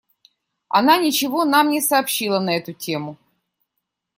Она ничего нам не сообщила на эту тему.